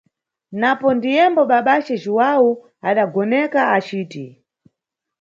Napo ndiyembo babace Jhuwawu adagoneka aciti.